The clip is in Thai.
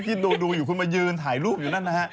ดูอยู่คุณมายืนถ่ายรูปอยู่นั่นนะฮะ